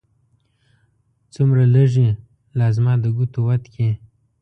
څومره لږې! لا زما د ګوتو وت کې